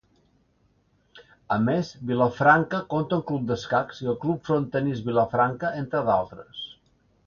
A més, Vilafranca compta amb un club d'escacs i el Club Frontenis Vilafranca, entre d'altres.